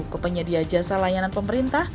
ke penyedia jasa layanan pemerintah